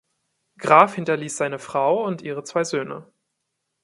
Graf hinterliess seine Frau und ihre zwei Söhne.